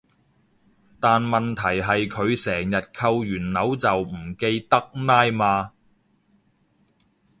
但問題係佢成日扣完鈕就唔記得拉嘛